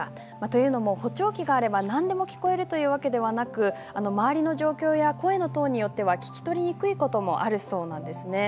というのも補聴器があれば何でも聞こえるというわけではなく周りの状況や声のトーンによっては聞き取りにくいこともあるそうなんです。